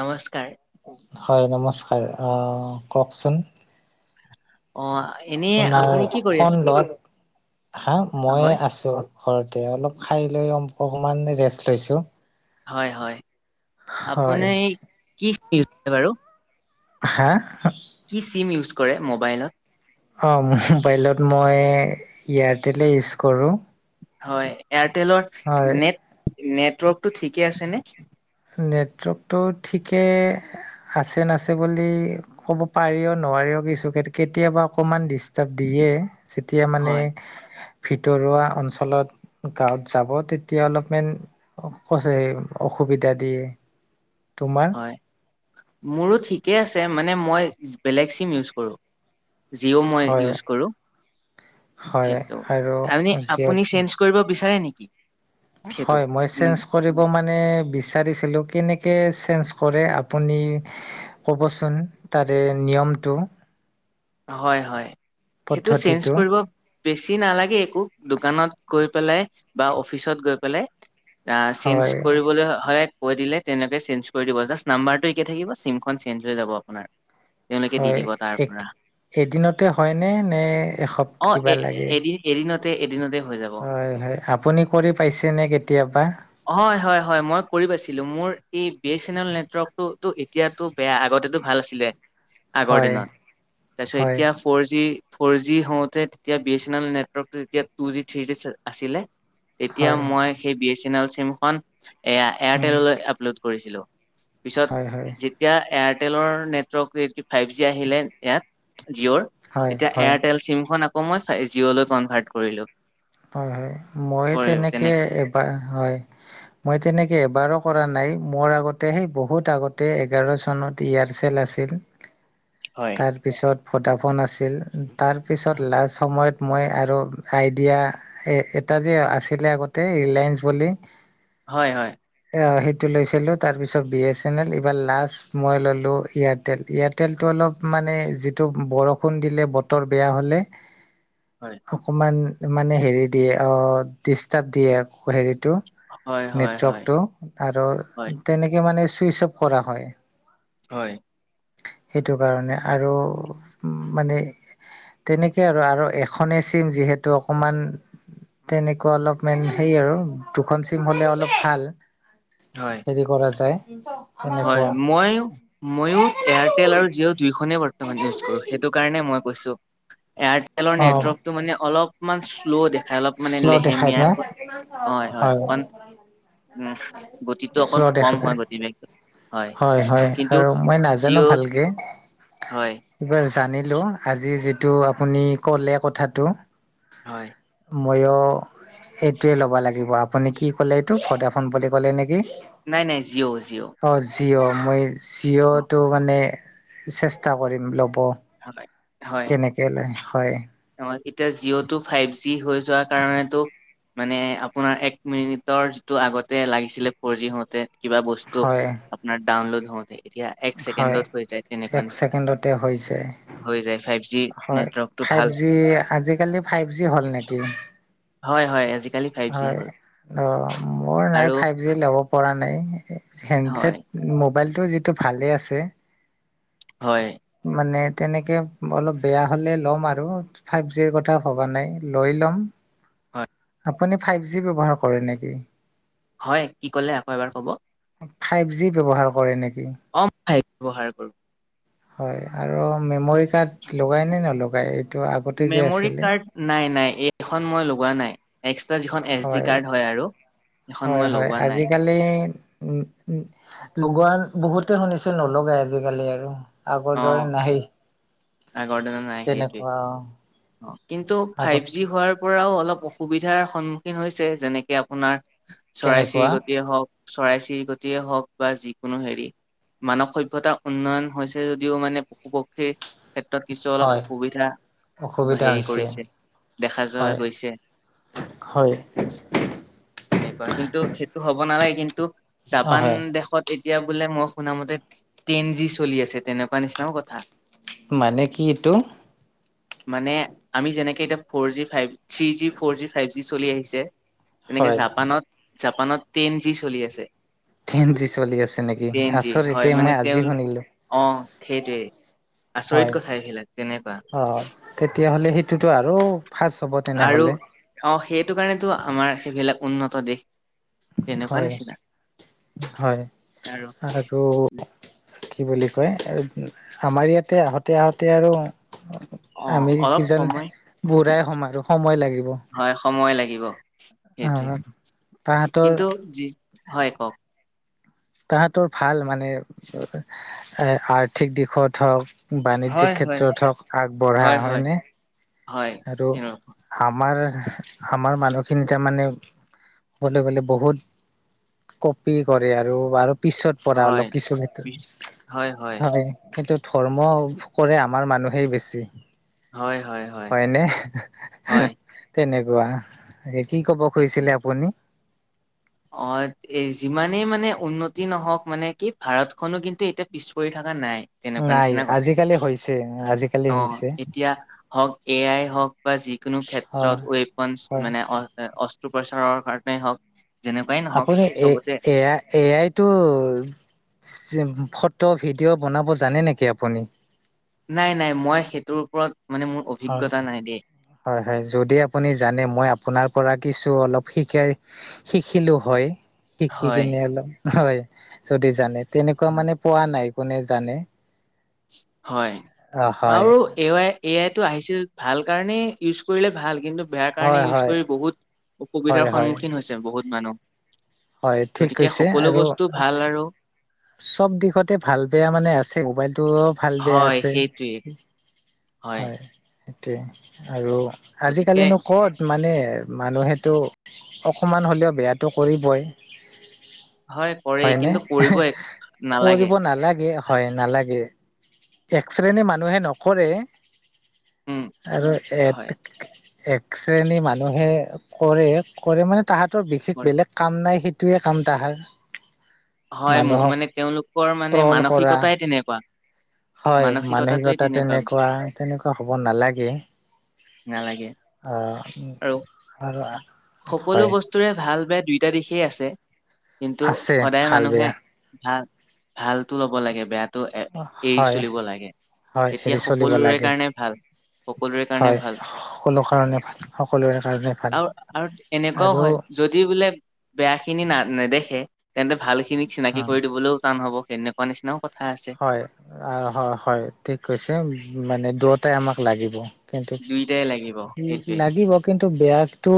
নমস্কাৰ হয়, নমস্কাৰ আহ কওঁকচোন। অ এনেই আপোনাৰ আপুনি কি কৰি আছে খণ্ডত, হা মইে হয় আছো। ঘৰতে অলপ খাই লৈ অ অকমান ৰেষ্ট লৈছো। হয়, হয়। আপুনি হয় এই কি [unintelligible] বাৰু হা কি চিম ইউজ কৰে মোবাইলত। অ' মোবাইলত মই এয়াৰটেলে ইউজ কৰোঁ। হয় হয় এয়াৰটেলৰ নেট নেটৱৰ্কটো ঠিকে আছেনে। নেটৱৰ্কটো ঠিকে আছে নাছে বুলি ক'ব পাৰিও ন কি কেতিয়াবা অকণমান ডিষ্টাৰ্ব দিয়ে যেতিয়া মানে হয় ভিতৰুৱা অঞ্চলত গাঁৱত যাব তেতিয়া অলপমান অসুবিধাত দিয়ে, তোমাৰ? হয় মোৰো ঠিকেই আছে মানে মই বেলেগ চিম ইউজ কৰোঁ। জিঅ' মই হয় ইউজ কৰো। হয় সেইটো আৰু আ যিয় আপুনি চেঞ্জ কৰিব বিচাৰে নেকি? সেইটো হয় মই উম, চেঞজ কৰিব মানে বিছাৰিছিলো কেনেকে চেঞ্জ কৰে আপুনি ক'বচোন তাৰে নিয়মটো। হয় হয় সেইটো চেঞ্জ পদ্ধতিটো কৰিব বেছি নালাগে একো দোকানত গৈ পেলাই বা অফিচত গৈ পেলাই এ চেঞ্জ হয় কৰিবলৈ হয় কৈ দিলে তেনেকৈ চেঞ্জ কৰি দিব জাষ্ট নাম্বাৰটো এিকে থাকিব চিমখন চেঞ্জ হৈ যাব আপোনাৰ। তেওঁলোকে দি হয় দিব তাৰ এক পৰা। এদিনতে হয়নে নে এসপ্ত অ কিবা এ লাগে? এদিন এদিনতে এদিনতে হ হয় হয় আপুনি কৰি পাইছে নে কেতিয়াবা? হয় হয় হয় মই কৰি পাইছিলো মোৰ এই বি এছ এন এল নেটৱৰ্কটোতো এতিয়াতো বেয়া আগতেতো ভাল আছিলে আগৰ হয় দিনত তাৰপিছত হয় এতিয়া ফৰ জি ফৰ জি হও তেতিয়া বি এ এন এল নেটৰ্ তেতিয়া টু জি থ্ৰী জি আছিলে তেতিয়া হয় মই সেই বি এছ এন এল চিমখন এয়া উম, এয়াৰটেললৈ আপলোড কৰিছিলো। পিছত হয় হয় যেতিয়া এয়াৰটেলৰ নেটৱৰ্ক ফাইভ জি আহিলে ইয়াত জিঅ'ৰ হয় তেতিয়া হয় এয়াৰটেল চিমখন আকৌ মই জিঅ'লৈ কনভাৰ্ট কৰিলো। হয় হয় মই তেনেকে হয় মই তেনেকেবাৰ এবাৰু কৰা নাই মোৰ আগতে সেই বহুত আগতে এঘাৰ চনত এয়াৰচেল আছিল। হয় তাৰপিছত‌ ভোদাফোন আছিল তাৰপিছত লাষ্ট সময়ত মই আৰু আইডিয়া এটা যে আছিলে আগতে ৰিলায়েন্ঞ্চ বুলি হয় হয়। সেইটো লৈছিলোঁ তাৰপিছত বি এছ এন এল এইবাৰ লাষ্ট মই ল'লোঁ এয়াৰটেল এয়াৰটেলটো অলপ মানে যিটো বৰষুণ দিলে বতৰ বেয়া হ'লে হয় অকমান মানে হেৰি দিয়ে অ', ডিষ্টাৰ্ব দিয়ে হেৰি টো হয় হয় নেটৱৰ্কটো আৰু তেনেকে মানে চুইচ অফ কৰা হয়। হয়। সেইটো কাৰণে আৰু উ মানে তেনেকে আৰু আৰু এখনেই চিম যিহেতু অকমান তেনেকুৱা অলপ মান সেই আৰু দুখন চিম হলে অলপ ভাল। হয় হেৰি কৰা যায়। হয় তেনেকুৱা মই মই এয়াৰটেল আৰু জিঅ' দু খন ইউচ কৰো সেইটোকৰণে এয়াৰটেলৰ অ নেটৱৰ্কটো মনে অলপ মা মান শ্ল' দেখাই অলপ মানে শ্ল' দেখাই না লেহেমীয়াকৈ হয়, হয় অকণ উম গতিতটো অকণ শ্ল' দেখা কম হয় যায় গতি মেলি হয়, হয় আৰু মই নাজানো জিঅ' ভালকে। হয়, এইবাৰ জানিলো আজি যিটো আপুনি ক'লে কথাটো। হয়। ময়ো এইটোৱে ল'ব লাগিব আপুনি কি ক'লে এইটো ভোডাফোন বুলি ক'লে নেকি। নাই, নাই, জিঅ' জিঅ'। অ জিঅ' মই অ, জিঅ'টো মানে চেষ্টা কৰিম ল ব হয়, হয়, কেনেকে লয় হয়। অ' এতিয়া জিঅ'টো ফাইভ জি হৈ যোৱাৰ কাৰণেতো মানে আপোনাৰ এক মিনিটৰ যিটো আগতে লাগিছিলে ফৰজি হওঁতে কিবা বস্তু হয় আপোনাৰ ডাউনলোড হওঁতো এতিয়া এক হয় ছেকেণ্ডত হৈ যায় তেনেকুৱা এক নিচিনা ছেকেণ্ডতে হৈ যায় হৈ যায়। ফাইভ জি হয় নেটৱৰ্কটো ফাইভ ভাল। জি আজিকালি ফাইভ জি হ'ল নেকি? হয়, হয় আজি হয়, অ' মোৰ আৰু নাই ফাইভ জি ল'ব পৰা নাই হেণ্ড হয়, ছেট মোবাইলটো যিটো ভালে আছে। হয়। মানে তেনেকে অলপ বেয়া হলে ল'ম আৰু ফাইভ জিৰ কথা ভবা নাই লৈ লম। হয়। আপুনি ফাইভ জি ব্যৱহাৰ কৰে নেকি? হয়, কি কলে আকৌ এবাৰ ক'ব? ফাইভ জি ব্যৱহাৰ কৰে নেকি? অ' মই ফাইভ ব্যৱহাৰ কৰোঁ। হয় আৰু মেমৰি কাৰ্ড লগাই নে নলগাই? আগতে যে মেমৰি আছিলে? কাৰ্ড নাই নাই। এইখন মই লগোৱা নাই, এক্সট্ৰা যিখন এছ ডি কাৰ্ড হয় আৰু। এখন হয় মই হয় লগোৱা নাই আজিকালি উম উ লগোৱা বহুতে শুনিছো, নলগাই আজিকালি আৰু। অ আগৰ দৰে নাই আগৰ দিনা নাই সেইটোৱে তেনেকুৱা। অ কিন্তু ফাইভ আগত জি হোৱাৰ পৰাও অলপ অসুবিধাৰ সন্মুখীন হৈছে যেনেকে আপোনাৰ কেনেকুৱা চৰাই-চিৰিকতিয়ে হওঁক চৰাই-চিৰিকতিয়ে হওঁক বা যিকোনো হেৰি মানৱ সভ্যতা উন্নয়ন হৈছে। যদিও মানে পশু-পক্ষীৰ ক্ষেত্ৰত কিছু অলপ হয় অসুবিধা অসুবিধা হেৰি হৈছে। কৰিছে দেখা যোৱা হয় গৈছে। হয় তেনেকুৱা কিন্তু হ'ব নালাগে কিন্তু অ জাপান হয় দেশত এতিয়া বোলে মই শুনামতে টেন জি চলি আছে তেনেকুৱা নিচিনাও কথা। মানে কি এইটো? মানে আমি যেনেকে এতিয়া four G five, three G, four G, five G চলি আহিছে তেনেকে হয় জাপানত জাপানত টেন জি চলি আছে। তেন জি চলি আছে নেকি? টেন জি আচৰিত হয় দে মানে মই তেওঁ আজি শুনিলো। অ' সেইটোৱেই হয়। আচৰিত কথাই সিলাক তেনেকুৱা। অ তেতিয়াহ'লে সেইটোতো আৰু ফাষ্ট হ'ব আৰু তেনেহ'লে অ', সেইটো কাৰণেতো আমাৰ সেইবিলাক উন্নত দেশ। তেনেকুৱা হয় নিচিনা হয় আৰু কি বুলি কয়? আমাৰ ইয়াতে আহঁতে আহঁতে আৰু অ আমি অলপ কিজান সময় বুঢ়াই হ'ম আৰু সময় লাগিব। সেইটোৱেই তাহাঁতৰ কিন্তু যি হয় কওঁক। তাহাঁতৰ ভাল মানে এ আৰ্থিক দিশত হওঁক হয় বাণিজ্যিক হয় ক্ষেত্ৰত হওঁক আগবঢ়া হয় হয় হয়নে? হয় আৰু তেনেকুৱা। আমাৰ আমাৰ মানুহখিনি তাৰ মানে ক'বলৈ গ'লে বহুত কপি কৰে আৰু ব পিছত পৰা হয় অলপ কিছু পিছ- হয় ক্ষেত্ৰত হয় সেইটোত। ধৰ্ম কৰে আমাৰ মানুহেই বেছি। হয় হয়। হয় হয়নে, হয় তেনেকুৱা কি কব তাকে খুজিছিলে আপুনি? অ', এ যিমানেই মানে উন্নতি নহওঁক মানে কি ভাৰতখনো কিন্তু এতিয়া পিছ পৰি থকা নাই। তেনেকুৱা নাই নিচিনায়ে হয়, আজিকালি হৈছে আজিকালি অ', হৈছে এতিয়া হওক এ আই হওক বা যিকোনো ক্ষেত্ৰত হয় ৱেপনচ হয় মানে অস্ত্ৰোপচাৰৰ কাৰণেই হওঁক। আপুনি এ এয়া এ আইটো ফটো ভিডিঅ' বনাব জানে নেকি আপুনি? নাই নাই, মই সেইটোৰ ওপৰত মানে মোৰ হয়, অভিজ্ঞতা নাই দেই হয়, হয়, যদি আপুনি জানে, মই আপোনাৰ পৰা কিছু অলপ শিকাই শিকিলোঁ হয় শিকি হয়। কিনে অলপ হয়। যদি জানে তেনেকুৱা হয় মানে পোৱা নাই কোনে জানে। হয় অ হয় আৰু এৱাই এ আই টো আহিছিল ভাল কাৰণে ইউজ কৰিলে ভাল কিন্তু বেয়া কাৰণে হয় ইউজ হয় কৰি বহুত হয় অসুবিধাৰ হয় সন্মুখীন হৈছে বহুত মানুহ। হয় ঠিক গতিকে কৈছে সকলো আৰু বস্তু ভাল আৰু চব দিশতে ভাল বেয়া মানে আছে। টো ভাল বেয়া হয়, আছে সেইটোৱেই হয়। সেইটোৱে আৰু গতিকে আজিকালিনো ক'ত মানে মানুহেতো অকণমান হ'লেও বেয়াটো কৰিবই। হয় কৰেই হয়নে কিন্তু কৰিবই এক কৰিব নালাগে হয় নালাগে। এক শ্ৰেণী মানুহে নকৰে উম, আৰু হয় এক শ্ৰেণী মানুহে কৰে, কৰে মানে তাহাঁতৰ বিশেষ কৰে। বেলেগ কাম নাই টোৱে কাম‌ তাহাৰ। হয় মানুহক মানে তেওঁলোকৰ মানে ট্ৰল কৰা মানসিকতাই তেনেকুৱা। হয় মানসিকতা তেনেকুৱা, তেনেকুৱা হ'ব নালাগে। নালাগে আহ আৰু আৰু সকলো হয় বস্তুৰে ভাল বেয়া দুইটা দিশেই আছে কিন্তু আছে সদায় ভাল মানুহে বেয়া। ভাল ভালতো ল'ব লাগে বেয়া টো এ এৰি হয় চলিব লাগে হয় তেতিয়া এৰি চলিব সকলোৰে লাগে কাৰণে ভাল। সকলোৰে কাৰণে হয় ভাল সকলো কাৰণে ভাল সকলোৰে কাৰণে ভাল আৰু-আৰু এনেকুৱাও আৰু হয় যদি বোলে বেয়াখিনি না-নেদেখে তেন্তে ভাল খিনিক চিনাকি উম কৰি দিবলৈও টান হব সেনেকুৱা নিচিনাও ক হয়, হয়, হয়, ঠিক কৈছে মানে দুয়টাই আমাক লাগিব। কিন্তু দুইটাই লাগিব সেইটোৱে লাগিব কিন্তু বেয়া টো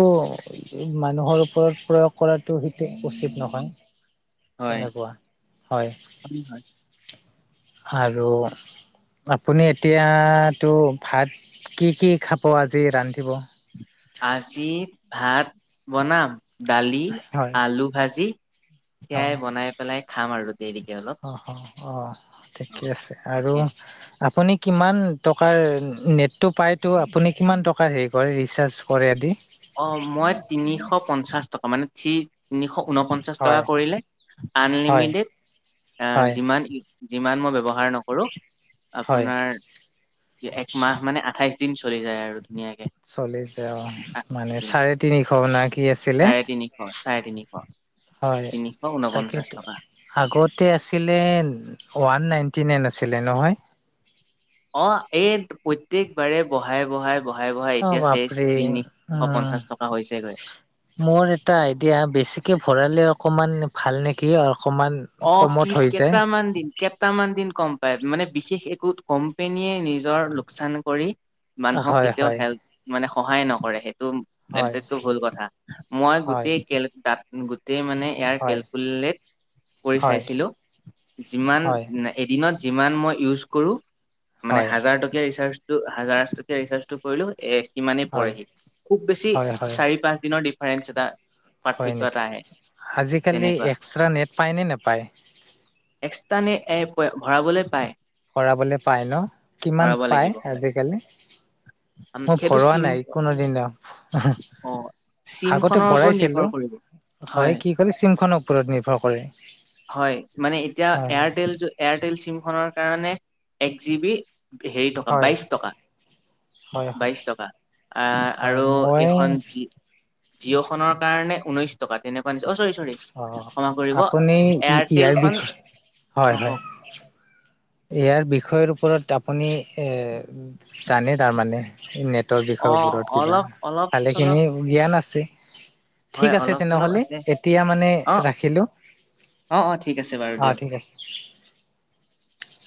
মানুহৰ ওপৰত প্ৰয়োগ কৰাটো সেইটো উচিত নহয়। হয়। এনেকুৱা হয় আৰু আপুনি এতিয়াতো ভাত কি কি খাব আজি ৰান্ধিব? আজি ভাত বনাম দালি হয় আলু ভাজি অ সয়াই বনাই পেলাই খাম আৰু দেৰিকে অলপ। অ অ অ', অ ঠিকে আছে আৰু তাকে আপুনি কিমান টকাৰ নেটটো পায়তো আপুনি কিমান টকাৰ হেৰি কৰে ৰিচাৰ্জ কৰে আদি। অ', মই তিনিশ পঞ্চাশ টকা মানে থ্ৰী-তিনিশ ঊন পঞ্চাছ টকা হয় কৰিলে হয় আনলিমিটেড হয় যিমান মই ব্যৱহাৰ নকৰো হয় আপোনাৰ এক মাহ মানে আঠাইছ দিন চলি যায় আৰু। ধুনীয়াকে চল্লিছে অ', আঠাইশ মানে দিন চাৰে তিনিশ [unintelligible] চাৰে তিনিশ চাৰে তিনিশ। হয় তিনিশ ঊনপঞ্চাশ তাকেতো টকা আগতে আছিলে ওৱান নাইন দিনেই নাছিলে নহয়। অ', এই প্ৰত্যেক বাৰে বহাই বহাই বঢ়াই বঢ়াই অ এতিয়া শেষ বাপৰে তিনিশ উম পঞ্চাশ টকা হৈছেগৈ। মোৰ এটা আইডিয়া বেছিকে ভৰালে অকমান ভাল নেকি। অকমান অ', কমত কি হৈ যায় কটাামান দিন কটামান দিন কম বা মানে বিশেষ একো কোম্পেনীয়ে নিজৰ লোকচান কৰি মানুহক হয় কেতিয়াও হয় হেল্প মানে সহায় নকৰে সেই টো হয় [unintelligible] মই হয় গোটেই খেল দাঁ তাই মানে ইয়াৰ হয় কেলকুলেটৰ কৰি হয় চাইছিলোঁ যিমান হয় এডি দিনত যিমান মই ইউজ কৰোঁ মানে হয় হাজাৰ টকীয়া ৰিচাৰ্জ হাজাৰ টকীয়া ৰিচাৰ্জটো কৰিলোঁ এ সিমানেই হয় পৰেহি খুব বেছি হয় হয় চাৰি-পাঁচ দিনৰ দি দিফাৰেঞ্চ এটা। হয় পাৰ্থক্য এটা নেকি? আহে আজি কালি তেনেকুৱা এক্সা নেত পা পায় নে নাপায়? এই ভৰাবলৈ পায়। ভৰাবলৈ পায় ন? কিমান ভৰাব পায় লাগিব হয় আজিকালি? মই সেইটো ভৰোৱা চিম নাই কোনো দিনো। অ আগতে চিমখনৰ ওপৰত নিৰ্ভৰ ভৰাইছিলো। কৰিব হয় কি ক'লে? চিমখনৰ ওপৰত নিৰ্ভৰ কৰে হয়, মানে এতিয়া হয় হয় এয়াৰটেল এয়াৰটেল চিমখনৰ কাৰণে এক জি বি হেৰি টকা হয় বাইশ টকা। হয় হয় বাইশ টকা আহ হয় আৰু মই এইখন যি জিঅ'খনৰ কাৰণে ঊনৈশ টকা তেনেকুৱা নিচিনা অ চৰি চৰি। অ কৰিব আপুনি ইয়াৰ এয়াৰটেলখন বিষয়ে হয় হয়। ইয়াৰ বিষয়ৰ ওপৰত আপুনি এ জানে তাৰমানে ন? ৰ অ' বিষয়ৰওৰত কিবা অলপ অলপ চলপ ভালেখিনি জ্ঞান আছে। হয় ঠিক আছে, অলপ চলপ তেনেহ'লে আছে এতিয়া মানে ৰাখিলোঁ। অঁ অঁ ঠিক আছে, বাৰু দিয়ক। [inaudible]